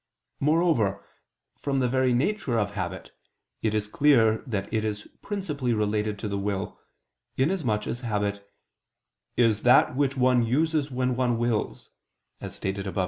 Moreover, from the very nature of habit, it is clear that it is principally related to the will; inasmuch as habit "is that which one uses when one wills," as stated above (A.